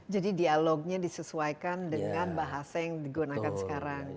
jadi dialognya disesuaikan dengan bahasa yang digunakan sekarang